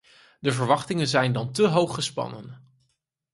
De verwachtingen zijn dan te hoog gespannen.